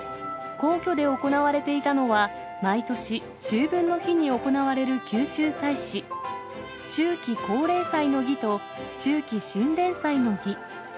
皇居で行われていたのは、毎年、秋分の日に行われる宮中祭祀、秋季皇霊祭の儀と、秋季神殿祭の儀。